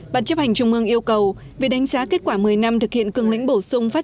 bản chấp hành trung ương yêu cầu về đánh giá kết quả một mươi năm thực hiện cường lĩnh bổ sung phát